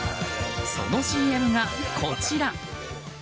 そのＣＭがこちら。